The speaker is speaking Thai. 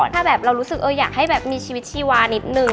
ถ้าแบบเรารู้สึกอยากให้แบบมีชีวิตชีวานิดนึง